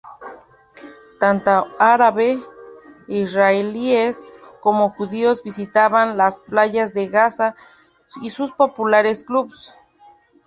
Tanto árabe-israelíes como judíos visitaban las playas de Gaza y sus populares clubs.